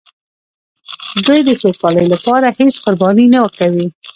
دوی د سوکالۍ لپاره هېڅ قرباني نه کوي.